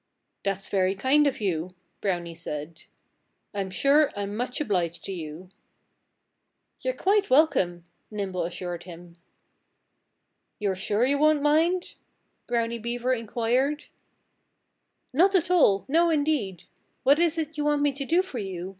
"That's very kind of you," Brownie said. "I'm sure I'm much obliged to you." "You're quite welcome," Nimble assured him. "You're sure you won't mind!" Brownie Beaver inquired. "Not at all! No, indeed! What is it you want me to do for you?